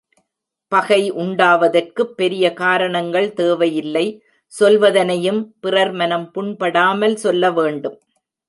பகை உண்டாவதற்குப் பெரிய காரணங்கள் தேவை இல்லை சொல்வதனையும் பிறர்மனம் புண்படாமல் சொல்ல வேண்டும்.